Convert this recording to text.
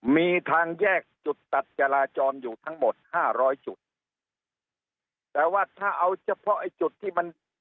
มีทางแยกจุดตัดจราจรอยู่ทั้งหมดห้าร้อยจุดแต่ว่าถ้าเอาเฉพาะไอ้จุดที่มัน